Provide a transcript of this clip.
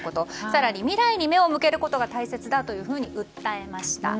更に、未来に目を向けることが大切だと訴えました。